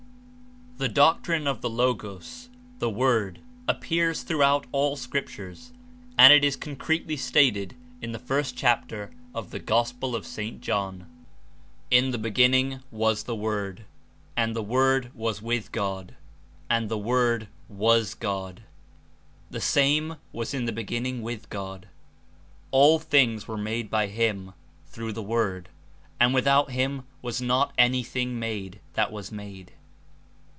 The doctrine of the Logos, the Word, appears throughout all scriptures and It Is concretely stated In the first Chapter of the Gospel of St. John. ''In the begmning was the JVord, and the JVord was with God, and the JFord zvas God. The same was In the beginning with God. ''All things were made by him (through The Word) ; and without him zvas not anything made that zvas made.